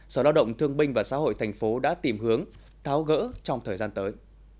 sở lao động thương binh và xã hội thành phố đã tìm hướng tháo gỡ trong thời gian tới